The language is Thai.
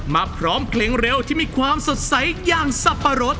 มาพร้อมเพลงเร็วที่มีความสดใสอย่างสับปะรด